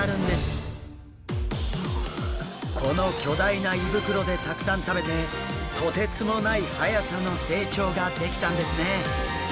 この巨大な胃袋でたくさん食べてとてつもないはやさの成長ができたんですね。